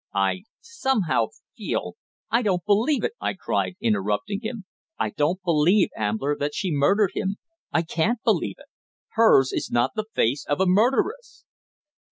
I somehow feel " "I don't believe it!" I cried, interrupting him. "I don't believe, Ambler, that she murdered him I can't believe it. Her's is not the face of a murderess."